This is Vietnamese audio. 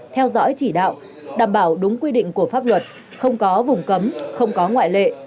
theo dõi chỉ đạo đảm bảo đúng quy định của pháp luật không có vùng cấm không có ngoại lệ